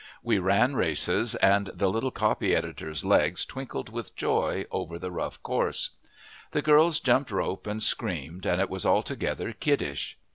We ran races, and the littlest copy reader's legs twinkled with joy over the rough course. The girls jumped rope and screamed, and it was altogether kid dish.